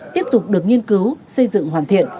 tiếp tục được nghiên cứu xây dựng hoàn thiện